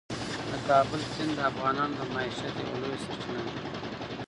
د کابل سیند د افغانانو د معیشت یوه لویه سرچینه ده.